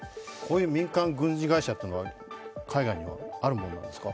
民間軍事会社というのは海外にはあるものなんですか？